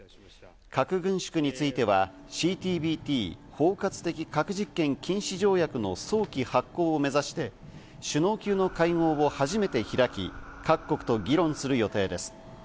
核軍縮についてはＣＴＢＴ＝包括的核実験禁止条約の早期発効を目指して、首脳級の会合を初めて開き、各国と議論する予定です。